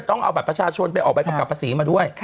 ต้องเอาบัตรประชาชนไปออกใบกำกับภาษีมาด้วย